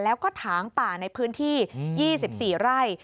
แล้วก็ถางป่าในพื้นที่๒๔ไร่